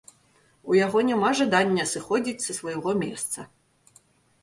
У яго няма жадання сыходзіць са свайго месца.